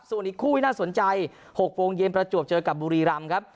ส่วนอีกคู่ที่น่าสนใจ๖โมงเย็นประจวบเจอกับบุรีรำครับ